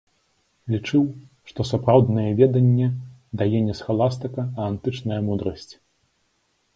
Лічыў, што сапраўднае веданне дае не схаластыка, а антычная мудрасць.